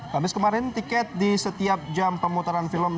kamis kemarin tiket di setiap jam pemutaran film